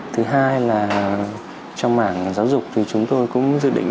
thứ hai là trong mảng giáo dục thì chúng tôi cũng dự định